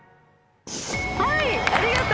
はい。